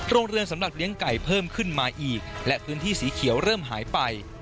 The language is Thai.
โรงเรือนสำหรับเลี้ยงไก่เพิ่มขึ้นมาอีกและพื้นที่สีเขียวเริ่มหายไป